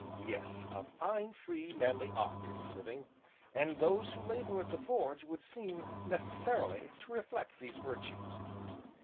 Yes, a fine, free, manly art is smithing, and those who labor at the forge would seem, necessarily, to reflect these virtues.